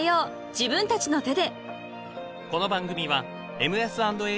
自分たちの手で］